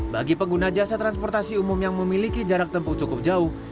bagi pengguna jasa transportasi umum yang memiliki jarak tempuh cukup jauh